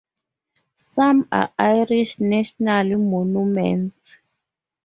Some are Irish national monuments.